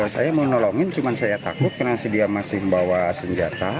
saya mau nolongin cuma saya takut karena dia masih membawa senjata